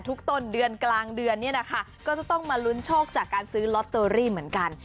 ต้นเดือนกลางเดือนเนี่ยนะคะก็จะต้องมาลุ้นโชคจากการซื้อลอตเตอรี่เหมือนกัน